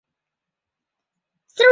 致赠精美小礼物